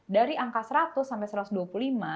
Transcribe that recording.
dari angka seratus sampai satu ratus dua puluh lima